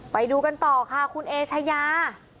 ไปดูกันต่อค่ะคุณเอชายา